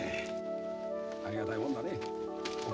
ありがたいもんだねおっ